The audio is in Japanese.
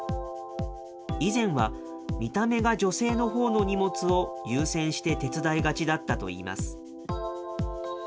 以前は、見た目が女性のほうの荷物を優先して手伝いがちだったといいます。